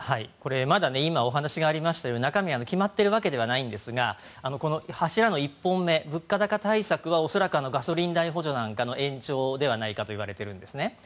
まだ今、お話がありましたように中身は決まっているわけではないんですがこの柱の１本目、物価対策は恐らくガソリン代補助なんかの延長ではないかといわれているんですね。